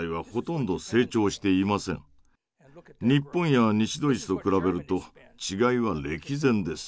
日本や西ドイツと比べると違いは歴然です。